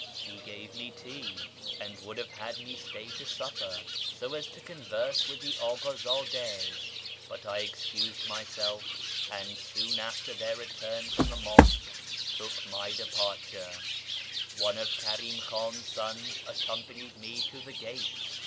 He gave AMONGST THE KALANDARS 539 me tea, and would have had me stay to supper, so as to converse with tlie Akd zddas, but I excused myself, and soon after their return from the mosque took my departure. One of Karim Khan's sons accompanied me to the gate.